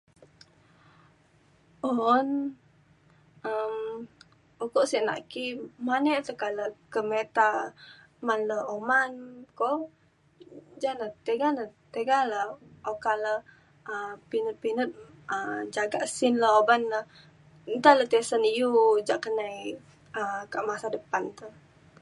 un um uko sek nak ki ma’an e tekak le ke mita man le uman ko ja ne tega na tega le okak le um pinut pinut um jagak sin le uban le nta le tisen iu jak ke nai um kak masa depan te